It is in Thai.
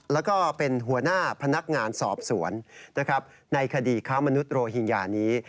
แล้วก็เป็นหัวหน้าพนักงานสอบสวนในคดีค้ามนุษยโรฮิงญานี้